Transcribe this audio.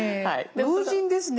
老人ですね。